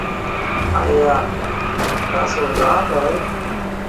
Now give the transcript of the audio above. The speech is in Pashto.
ایا تاسو دعا کوئ؟